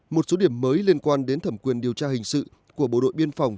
một số điểm mới liên quan đến thẩm quyền điều tra hình sự của bộ đội biên phòng